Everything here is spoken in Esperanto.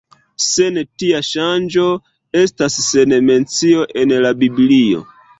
Sed tia ŝanĝo estas sen mencio en la Biblio.